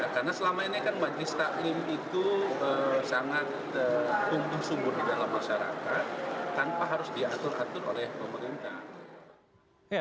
karena selama ini kan majelis taklim itu sangat tumpuh sumbur di dalam masyarakat tanpa harus diatur atur oleh pemerintah